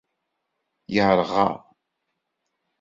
Yerɣa.